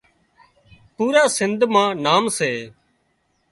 پُورا سنڌ مان نام سي